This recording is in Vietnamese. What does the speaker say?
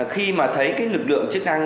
khi mà thấy cái lực lượng chức năng